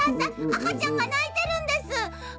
あかちゃんがないてるんです。